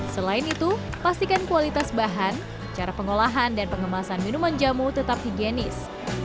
selain itu pastikan kualitas bahan cara pengolahan dan pengemasan minuman jamu tetap higienis